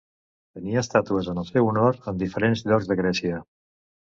Tenia estàtues en el seu honor en diferents llocs de Grècia.